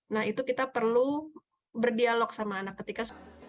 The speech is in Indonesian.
nah itu kita perlu berdialog sama anak ketika